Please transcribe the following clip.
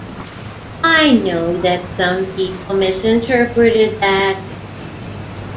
I know that some people misinterpreted that.